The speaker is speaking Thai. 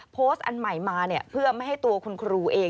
โพสต์อันใหม่มาเพื่อไม่ให้ตัวคุณครูเอง